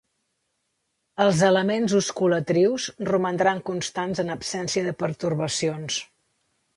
Els elements osculatrius romandran constants en absència de pertorbacions.